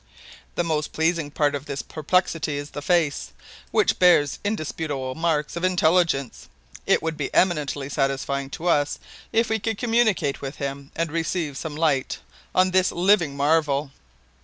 "The most pleasing part of this perplexity is the face, which bears indisputable marks of intelligence. It would be eminently satisfying to us if we could communicate with him and receive some light on this living marvel."